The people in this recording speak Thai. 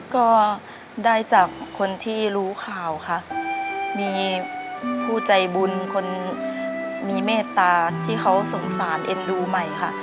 ก็ได้จากคนที่รู้ข่าวค่ะมีผู้ใจบุญคนมีเมตตาที่เขาสงสารเอ็นดูใหม่ค่ะ